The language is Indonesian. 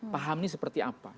paham ini seperti apa